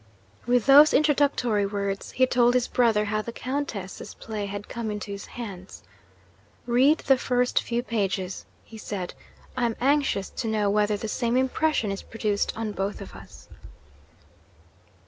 With those introductory words, he told his brother how the Countess's play had come into his hands. 'Read the first few pages,' he said. 'I am anxious to know whether the same impression is produced on both of us.'